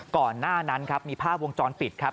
ก่อนหน้านั้นครับมีภาพวงจรปิดครับ